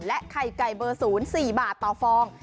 และไข่ไก่เบอร์ศูนย์๔บาทต่อฟอง